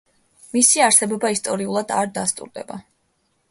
მისი არსებობა ისტორიულად არ დასტურდება.